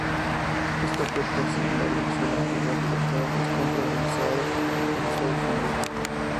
Esta oferta, sin embargo, sólo fue válida para las compras realizado en Estados Unidos